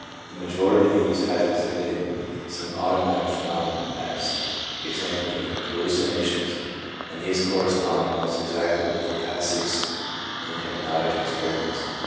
The majority of these had exhibited some automatic phenomena — as, e.g., hallucinations, and these correspond almost exactly with the " passives " in hypnotic experiments.